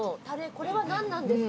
これは何なんですか？